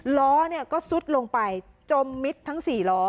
ล้อก็ซุดลงไปจมมิดทั้ง๔ล้อ